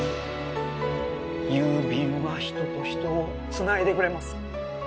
郵便は人と人をつないでくれます。